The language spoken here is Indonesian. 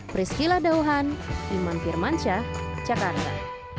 priscila dauhan iman firmansyah jakarta